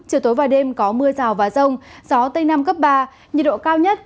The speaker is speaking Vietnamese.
chiều tối và đêm có mưa rào và rông gió tây nam cấp ba nhiệt độ cao nhất